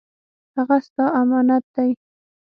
هغه ستا امانت دی